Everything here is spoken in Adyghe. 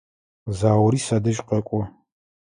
Заури садэжь къэкӏо.